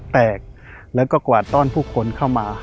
แตกแล้วก็กวาดต้อนผู้คนเข้ามา